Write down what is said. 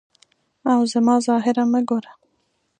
او زما ظاهر مه ګوره.